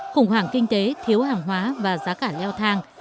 khủng hoảng kinh tế thiếu hàng hóa và giá cả leo thang